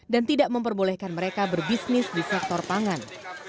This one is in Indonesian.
dan tidak memperbolehkan mereka berbisnis di sektor pangan